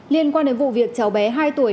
liên quan đến vụ việc cháu bé hai tuổi